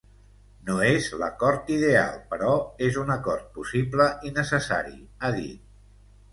No és l’acord ideal, però és un acord possible i necessari, ha dit.